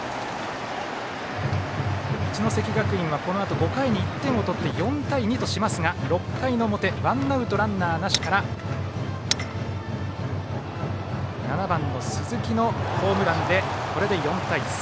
一関学院はこのあと５回に１点を取って４対２としますが、６回の表ワンアウト、ランナーなしから７番の鈴木のホームランでこれで４対３。